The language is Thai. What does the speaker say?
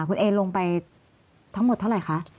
คุณเอลงไปทั้งหมดเท่าไหร่คะ